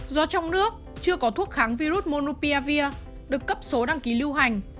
do trong nước chưa có thuốc kháng virus monupiavir được cấp số đăng ký lưu hành